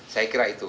saya kira itu